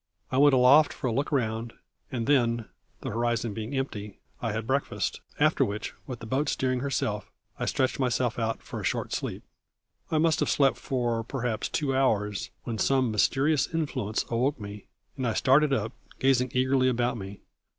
I went aloft for a look round, and then, the horizon being empty, I had breakfast; after which, with the boat steering herself, I stretched myself out for a short sleep. I must have slept for perhaps two hours when some mysterious influence awoke me, and I started up, gazing eagerly about me.